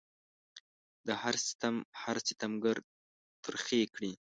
د هر ستم هر ستمګر ترخې کړي